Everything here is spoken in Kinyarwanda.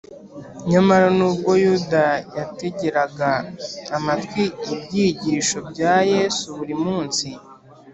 nyamara nubwo yuda yategeraga amatwi ibyigisho bya yesu buri munsi